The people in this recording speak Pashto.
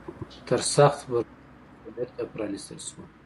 تر سخت غبرګون وروسته بیرته پرانيستل شوه.